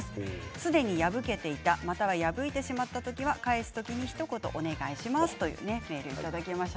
すでに破けていたまたは破れてしまった時は返す時にひと言お願いしますというメールをいただきました。